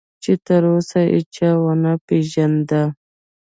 چې تراوسه هیچا ونه پېژانده.